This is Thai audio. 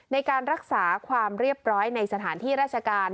ในการรักษาความเรียบร้อยในสถานที่ราชการ